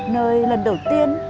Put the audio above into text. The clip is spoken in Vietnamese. nơi lần đầu tiên